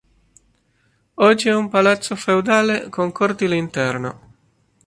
Oggi è un palazzo feudale con cortile interno.